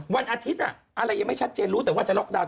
วันอาทิตย์อะไรยังไม่ชัดเจนรู้แต่ว่าจะล็อกดาวน